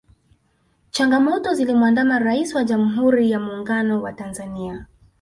changamoto zilimuandama raisi wa jamuhuri ya muungano wa tanzania